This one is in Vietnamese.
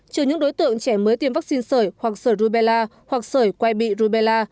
trừ những đối tượng trẻ mới tiêm vaccine sởi hoặc sởi rubella hoặc sởi quay bị rubella